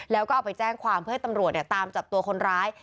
แล้วก็เอาไปแจ้งความเพื่อให้ตำรวจตามจับตัวคนร้าย